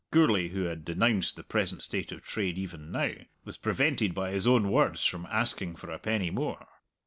Gourlay, who had denounced the present state of trade even now, was prevented by his own words from asking for a penny more.